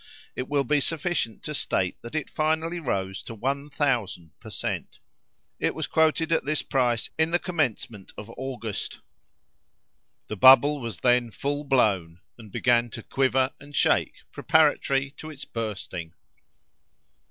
It will be sufficient to state that it finally rose to one thousand per cent. It was quoted at this price in, the commencement of August. The bubble was then full blown, and began to quiver and shake preparatory to its bursting.